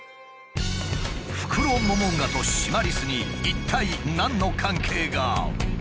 フクロモモンガとシマリスに一体何の関係が？